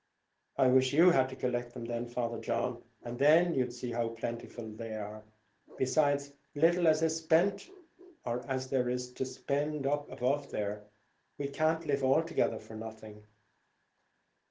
"I wish you had to collect them then, Father John, and then you'd see how plentiful they are; besides, little as is spent, or as there is to spend up above there, we can't live altogether for nothing."